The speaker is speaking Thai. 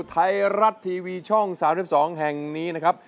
ไทยรัฐทีวีช่อง๓๒แห่งนี้นะครับ